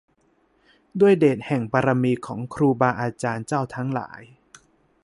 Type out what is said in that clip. ด้วยเดชแห่งบารมีของครูบาอาจารย์เจ้าทั้งหลาย